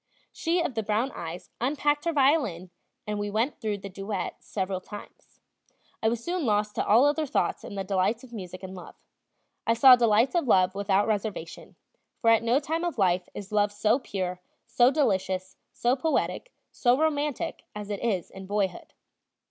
She of the brown eyes unpacked her violin, and we went through the duet several times. I was soon lost to all other thoughts in the delights of music and love. I saw delights of love without reservation; for at no time of life is love so pure, so delicious, so poetic, so romantic, as it is in boyhood.